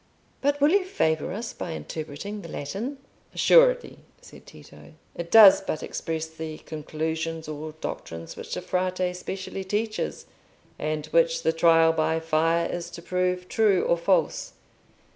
"But will you favour us by interpreting the Latin?" "Assuredly," said Tito. "It does but express the conclusions or doctrines which the Frate specially teaches, and which the trial by fire is to prove true or false.